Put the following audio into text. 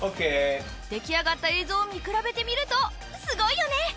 出来上がった映像を見比べてみるとすごいよね。